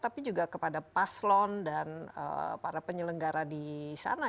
tapi juga kepada paslon dan para penyelenggara di sana